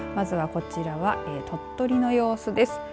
こちらは鳥取の様子です。